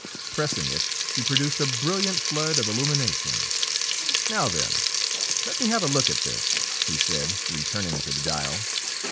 Pressing it, he produced a brilliant flood of illumination. "Now then, let me have a look at this," he said, returning to the dial.